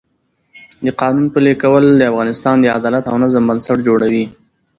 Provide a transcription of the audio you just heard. د قانون پلي کول د افغانستان د عدالت او نظم بنسټ جوړوي